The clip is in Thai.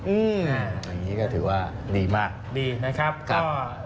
อืมตรงนี้ก็ถือว่ารีมากดีนะครับก็